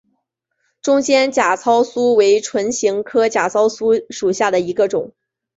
中间假糙苏为唇形科假糙苏属下的一个种。